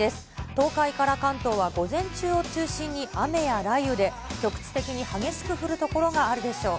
東海から関東は午前中を中心に雨や雷雨で、局地的に激しく降る所があるでしょう。